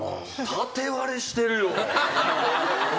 縦割れしてるよ。